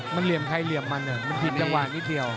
มันเหลียมใครเหล่ามันล่ะมันหลีดจังหวันนิดเดียว